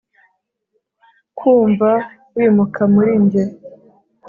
kumva wimuka muri njye